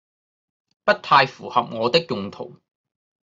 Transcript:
不太符合我的用途